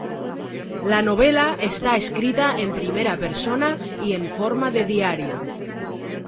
La novela está escrita en primera persona y en forma de diario.